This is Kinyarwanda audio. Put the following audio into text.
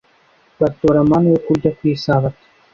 Batora manu yo kurya ku isabato.